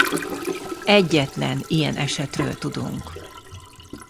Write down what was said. Egyetlen ilyen esetről tudunk.